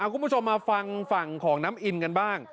คุณผู้ชมมาฟังฝั่งของน้ำอินกันบ้าง